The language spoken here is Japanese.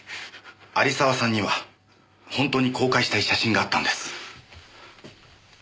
有沢さんには本当に公開したい写真があったんです。